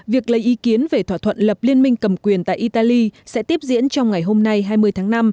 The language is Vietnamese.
việc lấy ý kiến về thỏa thuận lập liên minh cầm quyền tại italy sẽ tiếp diễn trong ngày hôm nay hai mươi tháng năm